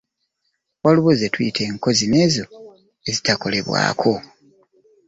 Waliwo ze tuyita enkozi n’ezo ze tuyita ezikolebwako.